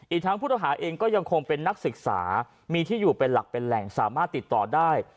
อีกทั้งผู้ต้องหาเองก็ยังคงเป็นนักศึกษามีที่อยู่เป็นหลักเป็นแหล่งสามารถติดต่อได้